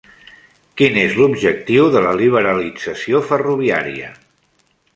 Quin és l'objectiu de la liberalització ferroviària?